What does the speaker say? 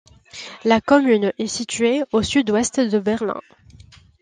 La commune est située au sud-ouest de Berlin.